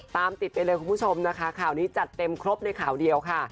ตามติดไปเลยคุณผู้ชมนะคะข่าวนี้จัดเต็มครบในข่าวเดียวค่ะ